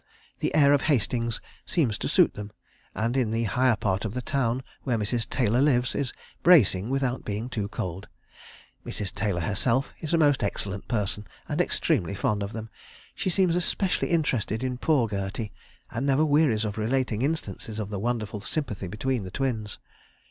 The air of Hastings seems to suit them, and in the higher part of the town where Mrs. Taylor lives is bracing without being too cold. Mrs. Taylor herself is a most excellent person, and extremely fond of them. She seems especially interested in poor Gertie, and never wearies of relating instances of the wonderful sympathy between the twins.